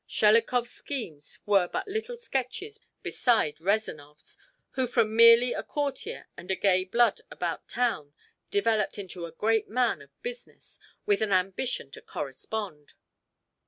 Shelikov's schemes were but little sketches beside Rezanov's, who from merely a courtier and a gay blood about town developed into a great man of business, with an ambition to correspond.